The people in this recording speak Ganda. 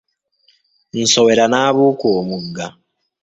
Nsowera n'abuuka omugga.